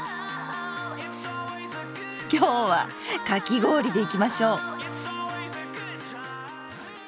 今日は「かき氷」でいきましょう！